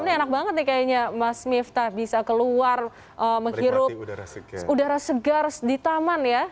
ini enak banget nih kayaknya mas miftah bisa keluar menghirup udara segar di taman ya